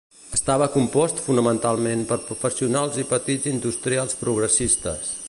Estava compost fonamentalment per professionals i petits industrials progressistes.